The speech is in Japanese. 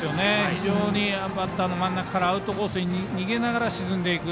非常にバッターの真ん中からアウトコースに逃げながら沈んでいく。